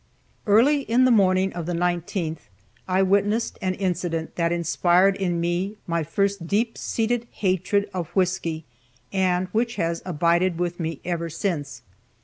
Early in the morning of the 19th I witnessed an incident that inspired in me my first deep seated hatred of whisky, and which has abided with me ever since.